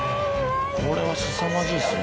これはすさまじいっすね。